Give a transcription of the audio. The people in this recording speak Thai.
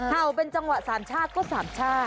เห่าเป็นจังหวะ๓ชาติก็๓ชาติ